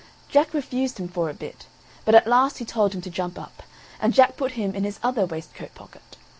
Jack refused him for a bit; but at last he told him to jump up, and Jack put him in his other waistcoat pocket.